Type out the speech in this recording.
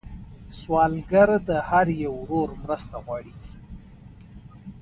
سوالګر د هر یو ورور مرسته غواړي